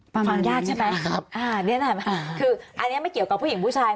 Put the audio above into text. ฟังฟังยากใช่ไหมคืออันนี้ไม่เกี่ยวกับผู้หญิงผู้ชาย